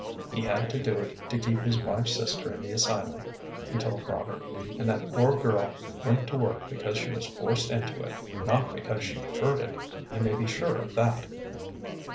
"He had to do it to keep his wife's sister in the asylum," he told Robert; "and that poor girl went to work because she was forced into it, not because she preferred it, you may be sure of that."